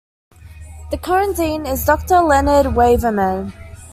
The current dean is Doctor Leonard Waverman.